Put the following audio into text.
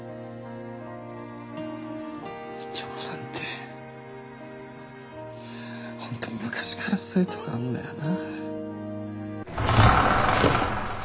丈さんってホント昔からそういうとこあんだよな。